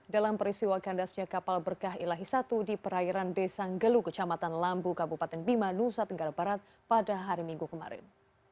dalam peristiwa kandasnya kapal berkah ilahi satu di perairan desa ngelu kecamatan lambu kabupaten bima nusa tenggara barat pada hari minggu kemarin